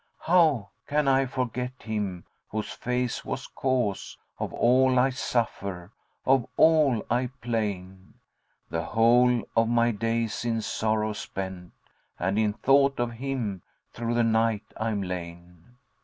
How can I forget him whose face was cause * Of all I suffer, of all I 'plain? The whole of my days in sorrow's spent, * And in thought of him through the night I'm lain.